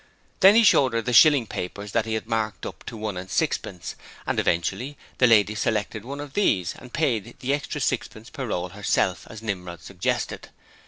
Then he showed her the shilling papers that he had marked up to one and sixpence, and eventually the lady selected one of these and paid the extra sixpence per roll herself, as Nimrod suggested.